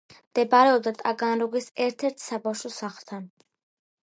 მდებარეობდა ტაგანროგის ერთ-ერთ საბავშვო სახლთან.